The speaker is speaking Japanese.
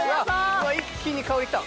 うわ一気に香りきた。